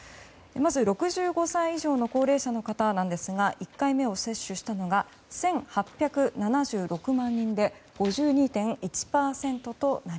まず６５歳以上の高齢者の方１回目を接種したのが１８７６万人で５２．１％。